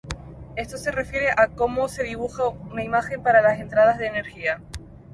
Esto se refiere a cómo se dibuja una imagen para las entradas de energía.